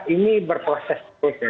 ini berproses terus ya